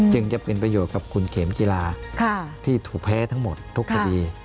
จึงจะเป็นประโยชน์กับคุณเข็มจิลาที่ถูกแพ้ทั้งหมดทุกคดี